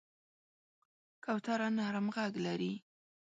کوتره نرم غږ لري.